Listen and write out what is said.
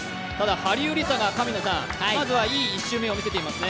ハリウリサがいい１巡目を見せていますね。